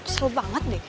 seru banget deh